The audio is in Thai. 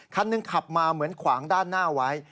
คันหนึ่งขับมาเหมือนขวางด้านหน้าไว้